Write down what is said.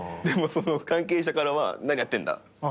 でも関係者からは「何やってんだ」